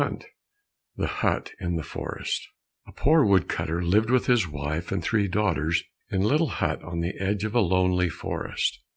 169 The Hut in the Forest A poor wood cutter lived with his wife and three daughters in a little hut on the edge of a lonely forest.